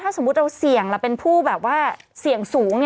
ถ้าสมมุติเราเสี่ยงเราเป็นผู้เสี่ยงสูง